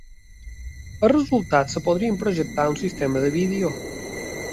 Els resultats es poden projectar en un sistema de vídeo.